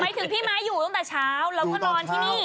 ถึงพี่ม้าอยู่ตั้งแต่เช้าแล้วก็นอนที่นี่